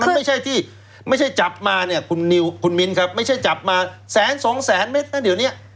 มันไม่ใช่ที่ไม่ใช่จับมาเนี่ยคุณนิวคุณมิ้นครับไม่ใช่จับมาแสนสองแสนเมตรนะเดี๋ยวเนี้ย